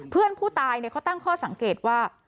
เพื่อนผู้ตายเขาตั้งข้อสังเกตว่า